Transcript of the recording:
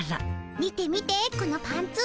見て見てこのパンツ。